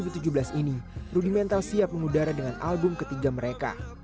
x factor sudah siap memudara dengan album ke tiga mereka